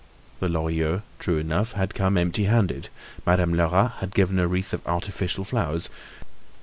The Lorilleuxs, true enough, had come empty handed. Madame Lerat had given a wreath of artificial flowers.